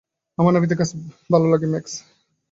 আমার নাপিতের কাজ ভালো লাগে, ম্যাক্স।